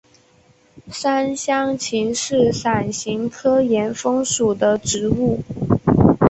山香芹是伞形科岩风属的植物。